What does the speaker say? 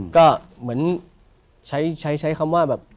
ก็เหมือนใช้ใช้คำว่าแบบ